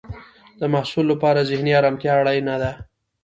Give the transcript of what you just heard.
د محصل لپاره ذهنی ارامتیا اړینه ده.